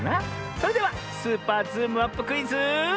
それでは「スーパーズームアップクイズ」。